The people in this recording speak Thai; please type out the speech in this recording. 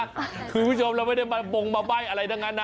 คุณผู้ชมเราไม่ได้มาบงมาใบ้อะไรทั้งนั้นนะ